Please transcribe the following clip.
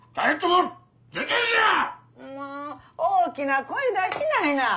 もう大きな声出しないな！